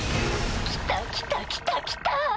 来た来た来た来た。